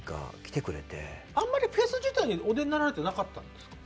あんまりフェス自体にお出になられてなかったんですか？